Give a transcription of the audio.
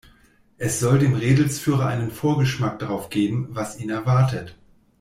Es soll dem Rädelsführer einen Vorgeschmack darauf geben, was ihn erwartet.